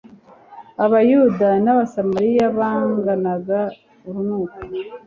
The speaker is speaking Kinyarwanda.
Abayuda n’Abasamaliya banganaga urunuka;